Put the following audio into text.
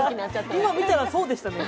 今、見たらそうでしたね。